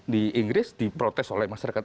di inggris diprotes oleh masyarakat